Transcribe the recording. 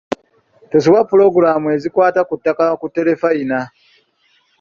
Tosubwa pulogulaamu ezikwata ku ttaka ku tterefayina.